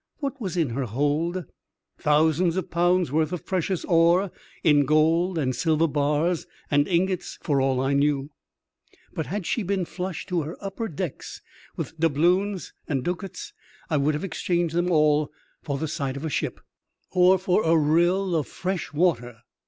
What was in her hold? Thousands of 88 MXTBAOBDINABT ADVENTURE OF A CHIEF MATR pounds worth of precious ore in gold and silrer bars and ingots for all I knew ; but had she been flush to her upper decks with doubloons and ducats, I would have exchanged them all for the sight of a ship, or for a rill of fresh water.